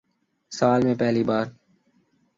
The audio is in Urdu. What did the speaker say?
سال میں پہلی بار